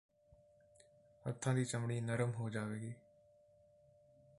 ਹੱਥਾਂ ਦੀ ਚਮੜੀ ਨਰਮ ਹੋ ਜਾਵੇਗੀ